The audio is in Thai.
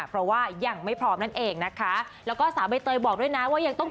เพราะว่ายังไม่พร้อมนั่นเองนะคะแล้วก็สาวใบเตยบอกด้วยนะว่ายังต้อง